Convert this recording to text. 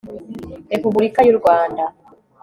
republika y'u rwanda